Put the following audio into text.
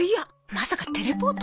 まさかテレポート？